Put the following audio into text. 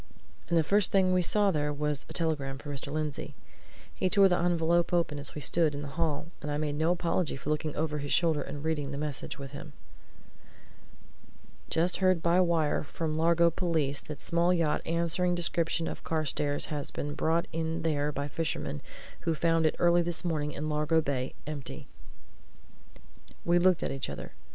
And the first thing we saw there was a telegram for Mr. Lindsey. He tore the envelope open as we stood in the hall, and I made no apology for looking over his shoulder and reading the message with him. "Just heard by wire from Largo police that small yacht answering description of Carstairs' has been brought in there by fishermen who found it early this morning in Largo Bay, empty." We looked at each other.